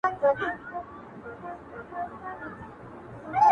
پرېږدی په اور يې اوربل مه ورانوی!!